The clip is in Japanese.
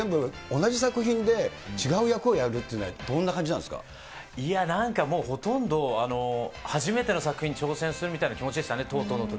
これ全部同じ作品で違う役をやるっていうのは、どんな感じないや、なんかもう、ほとんど初めての作品に挑戦するみたいな気持ちでしたね。